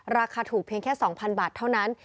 ราคาถูกเพียงแค่๒๐๐บาทเท่านั้น